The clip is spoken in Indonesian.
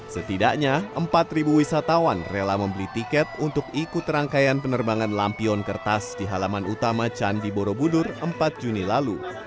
setidaknya empat wisatawan rela membeli tiket untuk ikut rangkaian penerbangan lampion kertas di halaman utama candi borobudur empat juni lalu